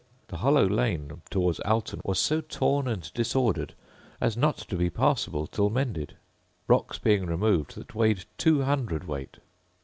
The hollow lane towards Alton was so torn and disordered as not to be passable till mended, rocks being removed that weighed 200 weight.